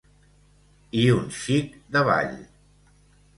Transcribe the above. I un xic de ball.